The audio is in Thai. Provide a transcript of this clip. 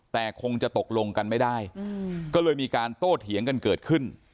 แต่คงจะตกลงกันไม่ได้ก็เลยมีการโต้เถียงกันเกิดขึ้น